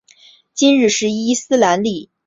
今日是伊斯兰历。